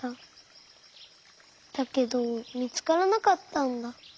だけどみつからなかったんだ。